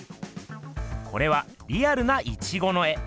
これはリアルなイチゴの絵。